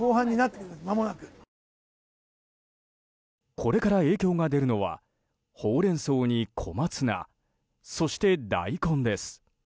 これから影響が出るのはホウレンソウに小松菜そして大根です。